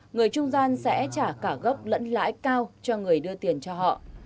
người trung gian sẽ trả cả gốc lẫn lãi cao cho người đưa tiền cho họ